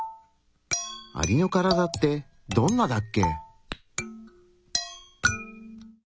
アリのカラダってどんなだっけ？